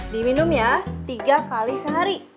diminum ya tiga kali sehari